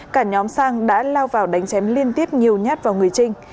cả nhóm sang đã lao vào đánh chém liên tiếp nhiều nhát vào người trinh